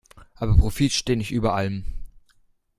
Aber Profit steht nicht über allem.